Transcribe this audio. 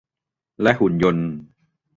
และหุ่นยนต์